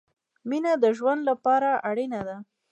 مينه د ژوند له پاره اړينه ده